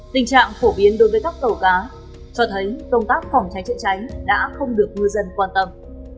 tình trạng phổ biến đối với các tàu cá cho thấy công tác phòng cháy chữa cháy đã không được ngư dân quan tâm